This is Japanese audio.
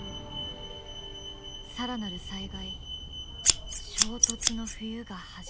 更なる災害「衝突の冬」が始まったのだ。